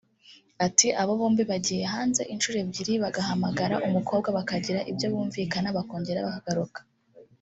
Ati “Aba bombi bagiye hanze inshuro ebyiri bagahamagara umukobwa bakagira ibyo bumvikana bakongera bakagaruka